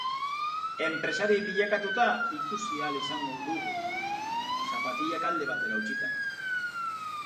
Enpresari bilakatuta ikusi ahal izango dugu, zapatilak alde batera utzita.